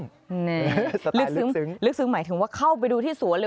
ลึกซึ้งลึกซึ้งหมายถึงว่าเข้าไปดูที่สวนเลย